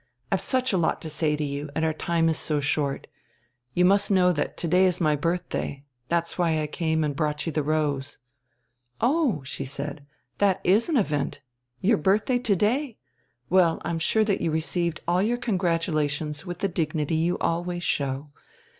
"I've such a lot to say to you, and our time is so short. You must know that to day is my birthday that's why I came and brought you the rose." "Oh," she said, "that is an event. Your birthday to day? Well, I'm sure that you received all your congratulations with the dignity you always show.